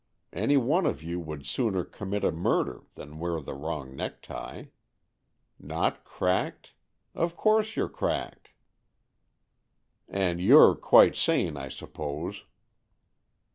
Any one of you would sooner commit a murder than wear the wrong necktie. Not cracked? Of course you're cracked." "And you're quite sane, I suppose."